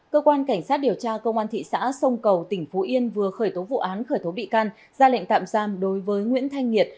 cơ quan cảnh sát điều tra công an thị xã sông cầu tỉnh phú yên vừa khởi tố vụ án khởi tố bị can ra lệnh tạm giam đối với nguyễn thanh nhiệt